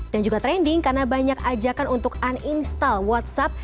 dan juga trending karena banyak ajakan untuk uninstall whatsapp